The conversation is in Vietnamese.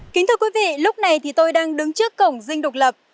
kính thưa quý vị lúc này thì tôi đang đứng trước cổng dinh độc lập